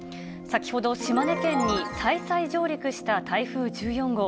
先ほど、島根県に再々上陸した台風１４号。